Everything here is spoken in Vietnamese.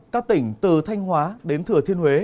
các tỉnh từ thanh hóa đến thừa thiên huế